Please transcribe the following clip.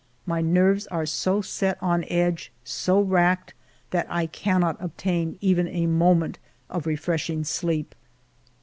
My nerves are so set on edge, so racked that I cannot obtain even a moment of refreshing sleep.